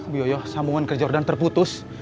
bu yoyo sambungan ke jordan terputus